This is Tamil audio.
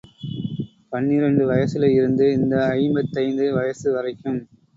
பன்னிரண்டு வயசுல இருந்து இந்த ஐம்பத்தைந்து வயசு வரைக்கும்.